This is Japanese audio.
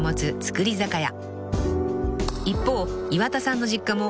［一方岩田さんの実家も］